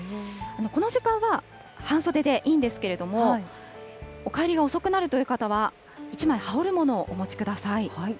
この時間は半袖でいいんですけれども、お帰りが遅くなるという方は、一枚、羽織るものをお持ちください。